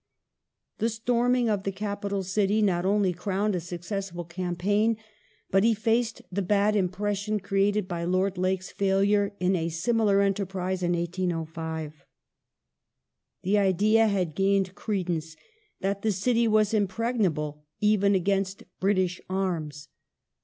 The storming of the capital city not only crowned a successful campaign but effaced the bad impression created by Lord Lake's failure in a similar enterprise in 1805. The idea had gained credence that the city was impregnable even against British ai'ms.